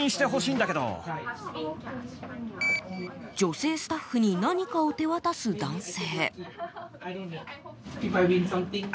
女性スタッフに何かを手渡す男性。